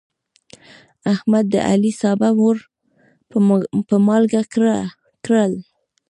احمد د علي سابه ور په مالګه کړل.